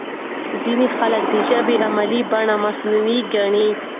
ځينې خلک د ژبې علمي بڼه مصنوعي ګڼي.